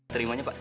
terima kasih pak